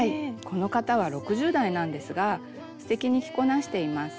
この方は６０代なんですがすてきに着こなしています。